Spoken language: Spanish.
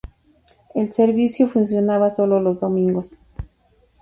El servicio funcionaba solo los domingos.